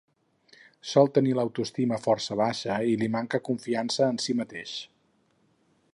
Sol tenir l'autoestima força baixa i li manca confiança en si mateix.